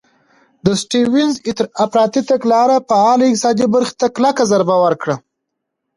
د سټیونز افراطي تګلارې فعاله اقتصادي برخه ته کلکه ضربه ورکړه.